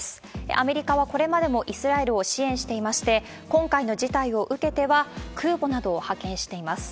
アメリカはこれまでもイスラエルを支援していまして、今回の事態を受けては、空母などを派遣しています。